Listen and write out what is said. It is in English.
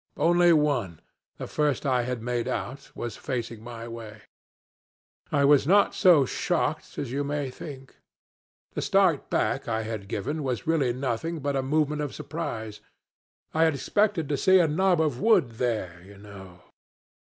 Only one, the first I had made out, was facing my way. I was not so shocked as you may think. The start back I had given was really nothing but a movement of surprise. I had expected to see a knob of wood there, you know.